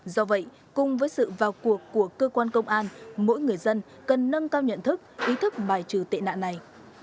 do vậy cùng với sự vào cuộc của cơ quan công an mỗi người dân cần nâng cao nhận thức ý thức bài trừ tệ nạn này